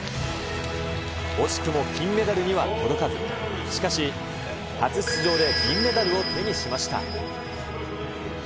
惜しくも金メダルには届かず、しかし、初出場で銀メダルを手にしました。